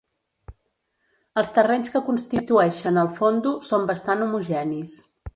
Els terrenys que constituïxen el Fondo són bastant homogenis.